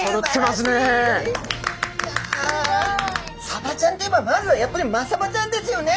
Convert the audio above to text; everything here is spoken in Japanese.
サバちゃんといえばまずはやっぱりマサバちゃんですよね。